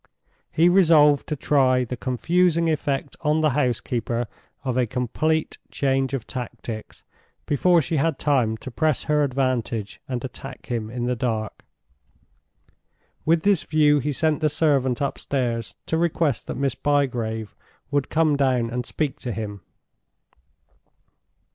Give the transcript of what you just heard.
He resolved to try the confusing effect on the housekeeper of a complete change of tactics before she had time to press her advantage and attack him in the dark. With this view he sent the servant upstairs to request that Miss Bygrave would come down and speak to him.